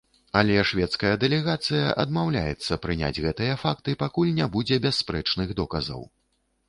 Але шведская дэлегацыя адмаўляецца прыняць гэтыя факты, пакуль не будзе бясспрэчных доказаў.